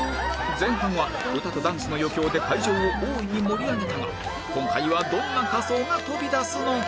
前半は歌とダンスの余興で会場を大いに盛り上げたが今回はどんな仮装が飛び出すのか？